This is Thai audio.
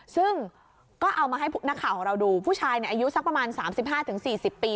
ซึ่งก็เอามาให้นักข่าวของเราดูผู้ชายอายุสักประมาณ๓๕๔๐ปี